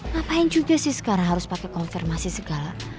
ngapain juga sih sekarang harus pakai konfirmasi segala